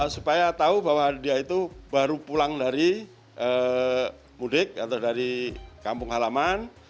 supaya tahu bahwa dia itu baru pulang dari mudik atau dari kampung halaman